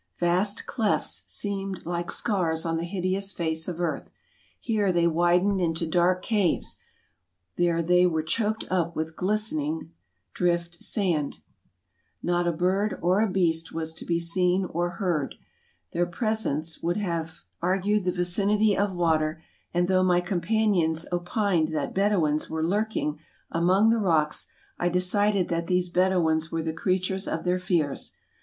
Vast clefts seemed like scars on the hideous face of earth; here they widened into dark caves, there they were choked up with glistening drift sand. Not a bird or a beast was to be seen or heard ; their presence would have argued the vicinity of water, and though my companions opined that Bedouins were lurking among the rocks, I decided that these Bedouins were the creatures of their fears.